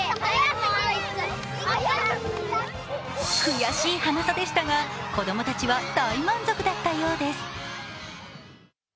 悔しいハナ差でしたが、子供たちは大満足だったようです。